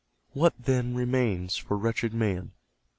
What, then, remains for wretched man?